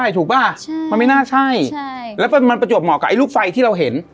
ใช่ถูกป่ะใช่มันไม่น่าใช่ใช่แล้วมันประจวบเหมาะกับไอลูกไฟที่เราเห็น